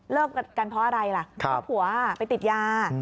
กันเพราะอะไรล่ะเพราะผัวไปติดยา